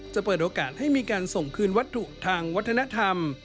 จะเปิดโอกาสให้มีการส่งคืนวัตถุทางวัฒนธรรม